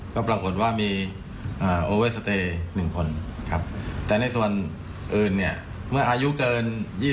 ก็ปรากฏว่ามีโอเวสเตย์หนึ่งคนแต่ในส่วนอื่นเมื่ออายุเกิน๒๐